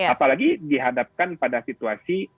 apalagi dihadapkan pada situasi